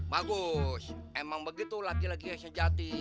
bagus emang begitu laki laki sejati